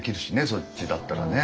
そっちだったらね。